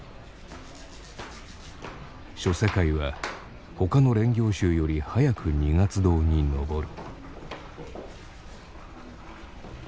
処世界はほかの練行衆より早く二月堂に登る。